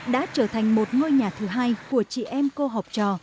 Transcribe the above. là một ngôi nhà thứ hai của chị em cô học trò